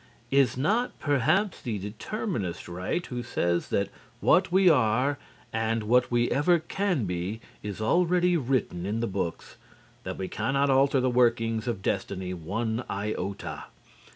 Is not perhaps the determinist right who says that what we are and what we ever can be is already written in the books, that we can not alter the workings of Destiny one iota?